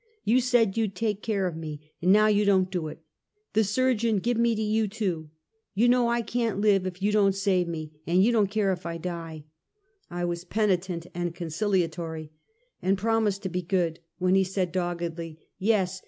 You said you'd take care of me, and now you don't do it. The surgeon give me to you too. You know I can't live if you don't save me, and you don't care if I die !" I was penitent and conciliatory, and promised to be good, when he said doggedly: "Yes!